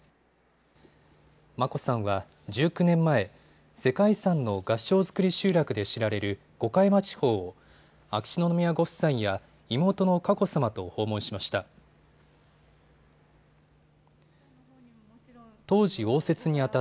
眞子さんは１９年前、世界遺産の合掌造り集落で知られる五箇山地方を秋篠宮ご夫妻や妹の佳子さまと訪問しました。